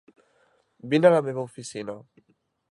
Vine a la meva oficina!